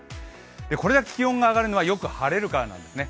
これだけ気温が上がるのはよく晴れるからなんですね。